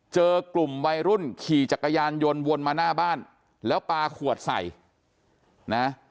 เจอกลุ่มวัยรุ่นขี่จักรยานยนต์วนมาหน้าบ้านแล้วปลาขวดใส่นะ